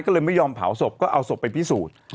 ก็เลยไม่ยอมเผาศพก็เอาศพไปพิสูจน์